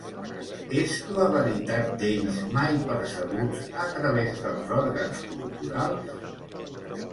És la veritat d'ells mai percebuts a través dels òrgans corporals?